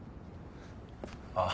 ああ。